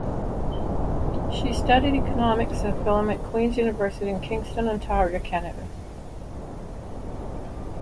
She studied economics and film at Queen's University in Kingston, Ontario, Canada.